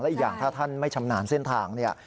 อีกอย่างถ้าท่านไม่ชำนาญเส้นทางเนี่ย